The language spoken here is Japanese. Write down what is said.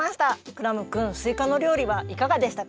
クラムくんすいかの料理はいかがでしたか？